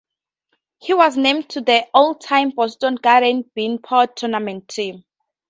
He was named to the All-Time Boston Garden Beanpot Tournament Team.